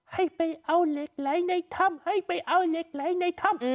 ให้ไปเอาเหล็กไหลในถ้ำให้ไปเอาเหล็กไหลในถ้ำ